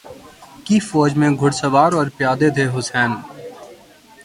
کی فوج میں گھرسوار اور پیادے تھے حسین